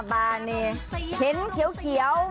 มาที่นี่เต็มเขียว